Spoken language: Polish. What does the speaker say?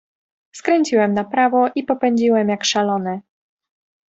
"Skręciłem na prawo i popędziłem, jak szalony."